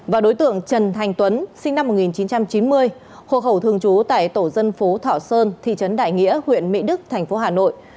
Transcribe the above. và đối tượng trần thành tuấn sinh năm một nghìn chín trăm chín mươi hộ khẩu thường trú tại tổ dân phố thọ sơn thị trấn đại nghĩa huyện mỹ đức thành phố hà nội